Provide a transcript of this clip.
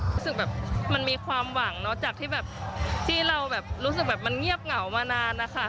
รู้สึกแบบมันมีความหวังเนอะจากที่แบบที่เราแบบรู้สึกแบบมันเงียบเหงามานานนะคะ